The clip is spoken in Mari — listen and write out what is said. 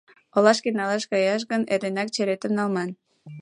Олашке налаш каяш гын, эрденак черетым налман.